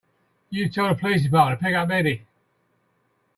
You tell the police department to pick up Eddie.